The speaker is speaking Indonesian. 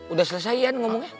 udah selesai ian ngomongnya